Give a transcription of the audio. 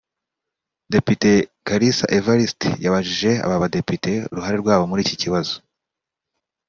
Depite Kalisa Evaliste yabajije aba badepite uruhare rwabo muri iki kibazo